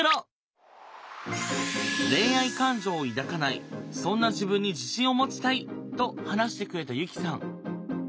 恋愛感情を抱かないそんな自分に自信を持ちたいと話してくれたユキさん。